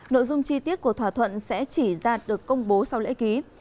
nội dung chi tiết của thỏa thuận sẽ chỉ ra được công bố sau lễ ký